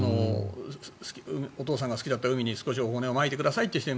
お父さんが好きだった海にお骨をまいてくださいという人。